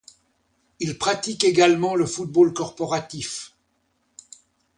Il pratique également le football corporatif.